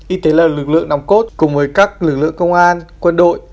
y tế là lực lượng nòng cốt cùng với các lực lượng công an quân đội